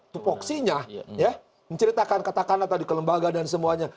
tupoksinya ya menceritakan katakanlah tadi kelembagaan dan semuanya